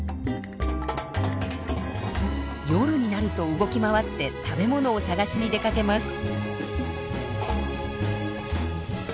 夜になると動き回って食べ物を探しに出かけます。